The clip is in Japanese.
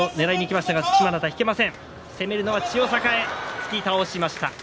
突き倒しました。